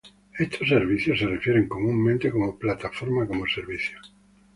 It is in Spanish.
Estos servicios se refieren comúnmente como plataforma como servicio.